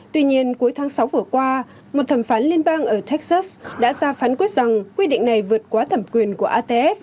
tuy nhiên cuối tháng sáu vừa qua một thẩm phán liên bang ở texas đã ra phán quyết rằng quy định này vượt qua thẩm quyết